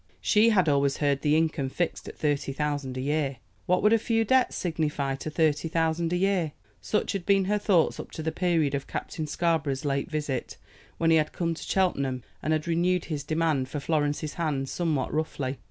She had always heard the income fixed at thirty thousand a year. What would a few debts signify to thirty thousand a year? Such had been her thoughts up to the period of Captain Scarborough's late visit, when he had come to Cheltenham, and had renewed his demand for Florence's hand somewhat roughly.